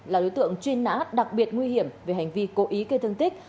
là đối tượng chuyên nã đặc biệt nguy hiểm về hành vi cố ý kê thương tích